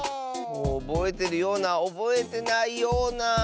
おぼえてるようなおぼえてないような。